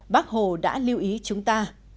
bác hồ đã lưu ý chúng ta